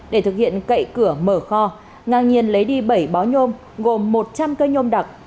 để thực hiện cậy cửa mở kho ngang nhiên lấy đi bảy bó nhôm gồm một trăm linh cây nhôm đặc